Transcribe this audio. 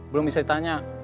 belum bisa ditanya